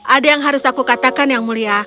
ada yang harus aku katakan yang mulia